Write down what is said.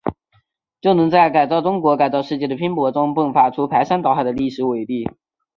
就能在改造中国、改造世界的拼搏中，迸发出排山倒海的历史伟力。